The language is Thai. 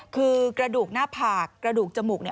คือกระดูกหน้าผากกระดูกจมูก